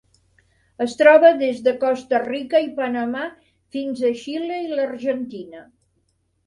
Es troba des de Costa Rica i Panamà fins a Xile i l'Argentina.